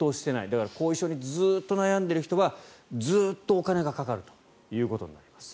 だから後遺症にずっと悩んでいる人はずっとお金がかかるということになります。